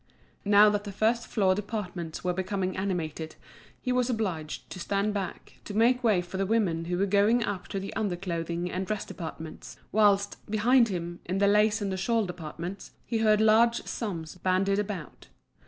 Now that the first floor departments were becoming animated, he was obliged to stand back to make way for the women who were going up to the under clothing and dress departments; whilst, behind him, in the lace and the shawl departments, he heard large sums bandied about.